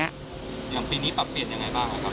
อย่างปีนี้ปรับเปลี่ยนยังไงบ้างครับ